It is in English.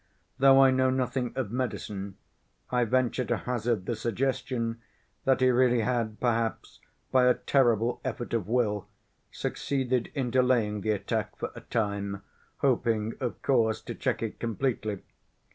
Though I know nothing of medicine, I venture to hazard the suggestion that he really had perhaps, by a terrible effort of will, succeeded in delaying the attack for a time, hoping, of course, to check it completely.